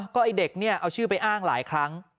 ก็ไอ้เด็กเนี่ยเอาชื่อไปอ้างหลายครั้ง